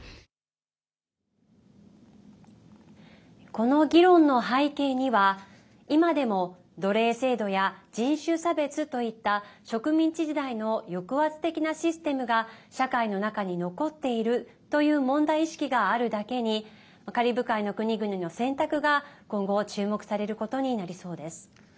この議論の背景には、今でも奴隷制度や人種差別といった植民地時代の抑圧的なシステムが社会の中に残っているという問題意識があるだけにカリブ海の国々の選択が今後注目されることになりそうです。